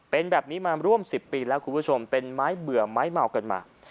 เป็นแบบนี้มาร่วม๑๐ปีแล้วคุณผู้ชมเป็นไม้เบื่อไม้เมากันมา